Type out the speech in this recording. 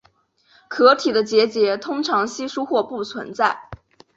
壳体的结节通常稀疏或不存在。